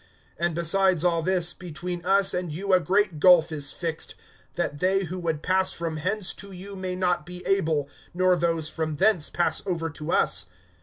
(26)And besides all this, between us and you a great gulf is fixed; that they who would pass from hence to you may not be able, nor those from thence pass over to us.